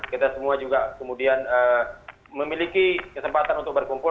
kita semua juga kemudian memiliki kesempatan untuk berkumpul